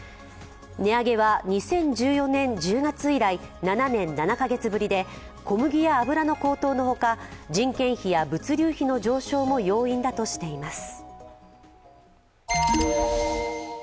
値上げは２０１４年１０月以来７年７カ月ぶりで小麦や油の高騰のほか人件費や物流費の上昇も要因だとしています。